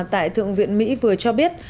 tại thượng viện mỹ vừa cho biết